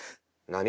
何？